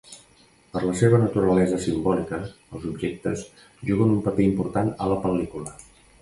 Per la seva naturalesa simbòlica, els objectes juguen un paper important a la pel·lícula.